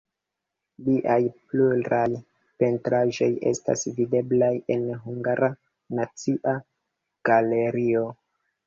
Liaj pluraj pentraĵoj estas videblaj en Hungara Nacia Galerio.